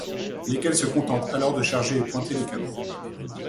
Lesquelles se contentent alors de charger et pointer les canons.